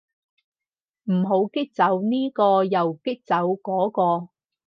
唔好激走呢個又激走嗰個